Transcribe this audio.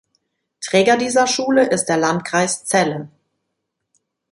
Träger dieser Schule ist der Landkreis Celle.